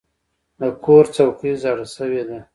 د کور څوکۍ زاړه شوي دي.